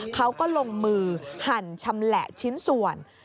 เขาก็ลงมือหั่นชำแหละชิ้นส่วน